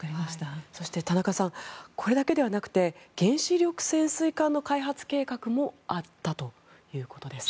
そして田中さん、これだけではなくて原子力潜水艦の開発計画もあったということです。